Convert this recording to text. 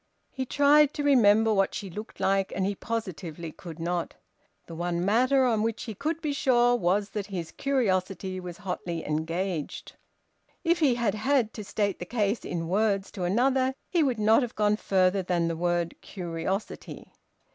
He tried to remember what she looked like, and he positively could not. The one matter upon which he could be sure was that his curiosity was hotly engaged. If he had had to state the case in words to another he would not have gone further than the word `curiosity.'